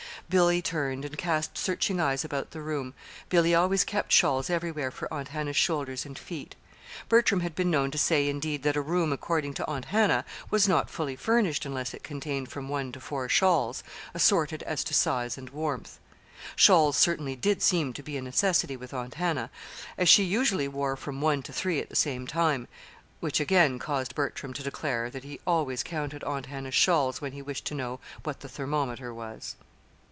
Billy turned and cast searching eyes about the room Billy always kept shawls everywhere for Aunt Hannah's shoulders and feet. Bertram had been known to say, indeed, that a room, according to Aunt Hannah, was not fully furnished unless it contained from one to four shawls, assorted as to size and warmth. Shawls, certainly, did seem to be a necessity with Aunt Hannah, as she usually wore from one to three at the same time which again caused Bertram to declare that he always counted Aunt Hannah's shawls when he wished to know what the thermometer was.